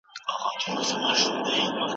فابریکې څنګه د کارکوونکو اړتیاوې ارزوي؟